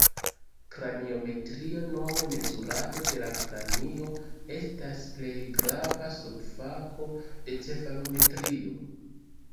Kraniometrio, nome mezurado de la kranio, estas plej grava subfako de cefalometrio.